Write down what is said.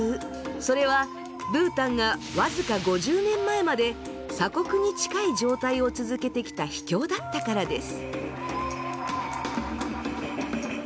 それはブータンが僅か５０年前まで鎖国に近い状態を続けてきた秘境だったからです。